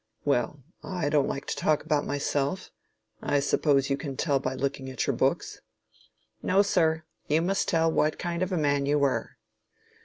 Well, I don't like to talk about myself. I suppose you can tell by looking at your books. No sir. You must tell what kind of a man you were.